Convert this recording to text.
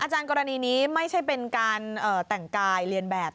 กรณีนี้ไม่ใช่เป็นการแต่งกายเรียนแบบ